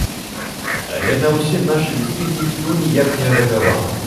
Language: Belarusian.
Але на ўсе нашы лісты ніхто ніяк не рэагаваў.